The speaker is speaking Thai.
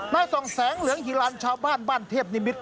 นายส่องแสงเหลืองฮิลันชาวบ้านบ้านเทพนิมิตร